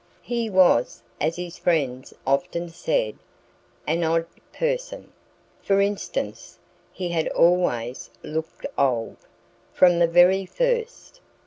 He was as his friends often said an odd person. For instance, he had always looked old, from the very first.